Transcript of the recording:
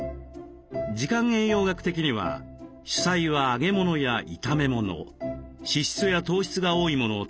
時間栄養学的には主菜は揚げ物や炒め物脂質や糖質が多いものを食べてもＯＫ。